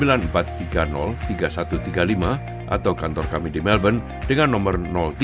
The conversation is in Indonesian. atau kantor kami di melbourne dengan nomor tiga sembilan ribu sembilan ratus empat puluh sembilan dua ribu dua ratus delapan